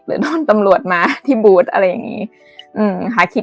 หรือโดนตำรวจมาที่บูชท์อะไรอย่างนี้